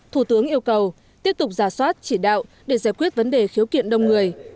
thủ tướng yêu cầu tiếp tục giả soát chỉ đạo để giải quyết vấn đề khiếu kiện đông người